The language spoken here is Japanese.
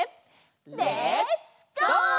レッツゴー！